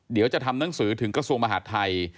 เดี๋ยวจะทำหนังสือถึงกระทรวงมหาดไทย